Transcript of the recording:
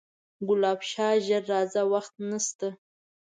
ګلاب شاه ژر راځه وخت نسته